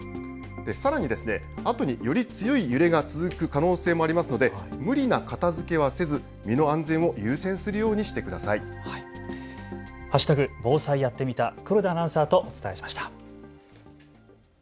さらに強い揺れが続く可能性もありますので無理な片づけをせず身の安全を優先するようにしてください。＃防災やってみた黒田アナウンサーとお伝えしました。